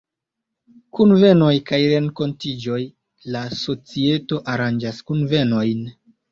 Kunvenoj kaj renkontiĝoj: La societo aranĝas kunvenojn.